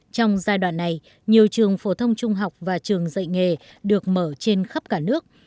trong giai đoạn này nhiều trường phổ thông trung học và trường dạy nghề được mở trên khắp cả nước